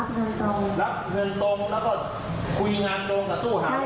รับเงินตรงกับตู้ห่าวแล้วก็ก็รับทางกับตู้ห่าวในการเซ็นรายเป็นของเขาผมจะทำงานได้ค่ะ